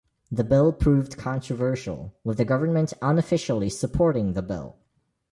The bill proved controversial, with the government unofficially supporting the bill.